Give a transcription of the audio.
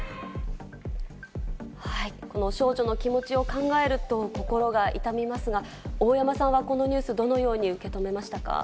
少女の気持ちを考えると心が痛みますが、大山さんはこのニュースをどのように受け止めましたか？